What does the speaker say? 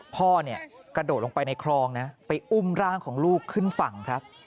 พ่อเนี่ยกระโดดลงไปในคลองนะไปอุ้มร่างของลูกขึ้นฝั่งครับ